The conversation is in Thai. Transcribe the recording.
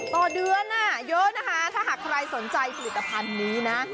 ต่อเดือนเยอะนะคะถ้าหากใครสนใจผลิตภัณฑ์นี้นะ